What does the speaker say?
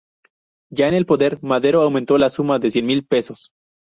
Ya en el poder, Madero aumentó la suma en cien mil pesos.